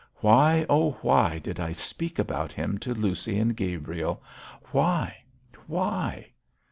Why, oh, why did I speak about him to Lucy and Gabriel? Why? Why?'